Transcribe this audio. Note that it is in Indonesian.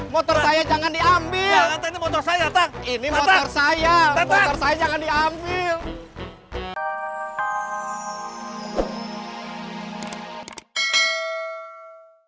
motor saya jangan diambil